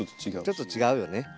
ちょっと違うよね。